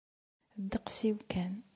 Ddeqs-iw kan.